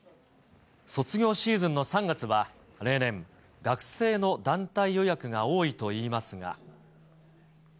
卒業シーズンの３月は例年、学生の団体予約が多いといいますが。